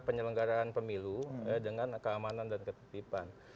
penyelenggaraan pemilu dengan keamanan dan ketetipan